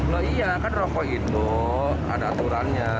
loh iya kan rokok itu ada aturannya